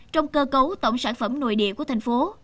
trong cơ cấu tổng sản phẩm nội địa của thành phố